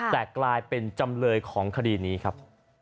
แต่กลายเป็นจำเลยของคดีนี้ครับ